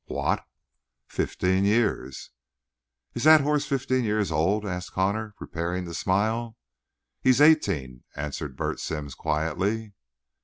"What?" "Fifteen years." "Is that horse fifteen years old?" asked Connor, prepared to smile. "He is eighteen," answered Bert Sims quietly.